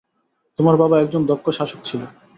তোমার বাবা একজন দক্ষ শাসক ছিল।